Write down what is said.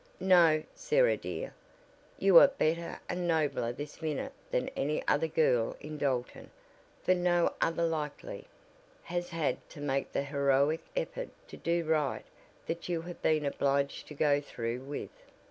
"No, Sarah dear. You are better and nobler this minute than any other girl in Dalton, for no other likely, has had to make the heroic effort to do right that you have been obliged to go through with.